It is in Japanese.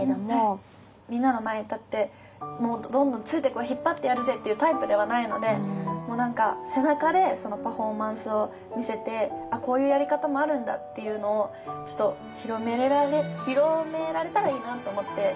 みんなの前に立ってどんどんついてこい引っ張ってやるぜっていうタイプではないのでもう何か背中でパフォーマンスを見せてこういうやり方もあるんだっていうのをちょっと広められたらいいなと思って。